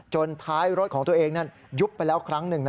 ท้ายรถของตัวเองนั้นยุบไปแล้วครั้งหนึ่ง